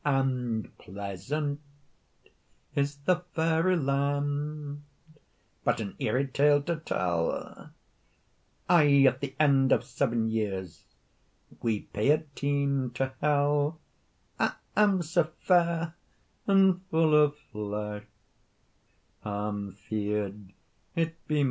"And pleasant is the fairy land, But, an eerie tale to tell, Ay at the end of seven years We pay a tiend to hell; I am sae fair and fu' o flesh I'm feared it be mysel.